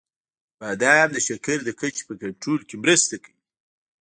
• بادام د شکر د کچې په کنټرول کې مرسته کوي.